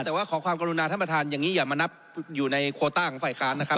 แต่ว่าขอความกรุณาท่านประธานอย่างนี้อย่ามานับอยู่ในโคต้าของฝ่ายค้านนะครับ